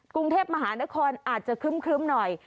กรุงเทพมหานครอาจจะครึ้มหน่อย